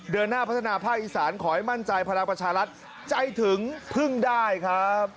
เดินหน้าพัฒนาภาคอีสานขอให้มั่นใจพลังประชารัฐใจถึงพึ่งได้ครับ